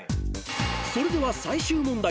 ［それでは最終問題。